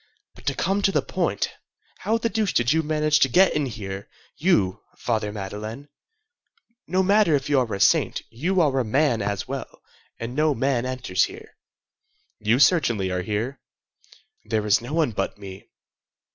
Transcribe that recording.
"But to come to the point, how the deuce did you manage to get in here, you, Father Madeleine? No matter if you are a saint; you are a man as well, and no man enters here." "You certainly are here." "There is no one but me."